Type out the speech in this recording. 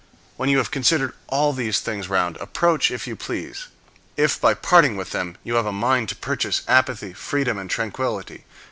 When you have considered all these things round, approach, if you please; if, by parting with them, you have a mind to purchase equanimity, freedom, and tranquillity.